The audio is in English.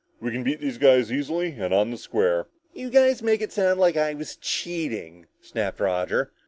"We can beat these guys easily and on the square." "You guys make it sound like I was cheating," snapped Roger.